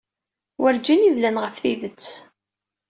Werǧin i dlan ɣef tidet.